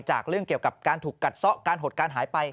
เรื่องเกี่ยวกับการถูกกัดซะการหดการหายไป